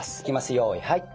よいはい。